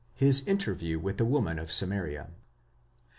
HIS INTERVIEW WITH THE WOMAN OF SAMARIA.